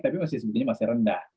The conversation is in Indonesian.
tapi sebetulnya masih rendah